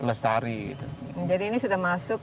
lestari jadi ini sudah masuk